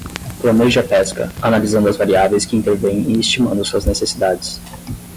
Planeje a pesca, analisando as variáveis que intervêm e estimando suas necessidades.